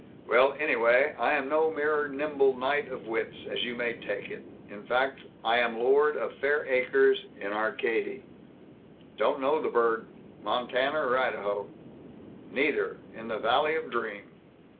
Well, anyway: I am no mere nimble knight of wits, as you may take it. In fact, I am lord of fair acres in Arcady." "Don't know the burg. Montana or Idaho?" "Neither! In the valley of dream!"